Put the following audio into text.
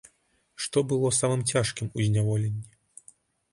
Што было самым цяжкім у зняволенні?